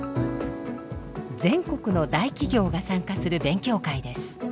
全国の大企業が参加する勉強会です。